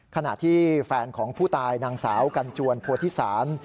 ขณะที่แฟนของผู้ตายนางสาวกันจวนโพธิศาล